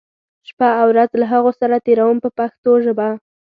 شپه او ورځ له هغو سره تېروم په پښتو ژبه.